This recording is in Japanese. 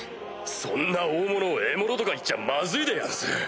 そんな大物を獲物とか言っちゃまずいでやんす。